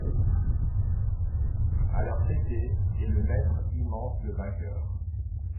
A leur têté est le maître immense, le vainqueur ;